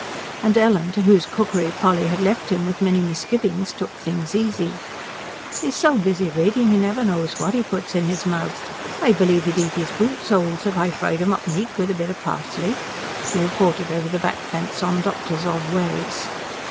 And Ellen, to whose cookery Polly had left him with many misgivings, took things easy. "He's so busy reading, he never knows what he puts in his mouth. I believe he'd eat his boot soles, if I fried 'em up neat wid a bit of parsley," she reported over the back fence on Doctor's odd ways.